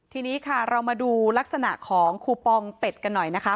ทีนี้ค่ะเรามาดูลักษณะของคูปองเป็ดกันหน่อยนะคะ